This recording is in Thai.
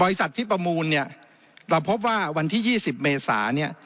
บริษัทที่ประมูลพบว่าวันที่๒๐เมษายน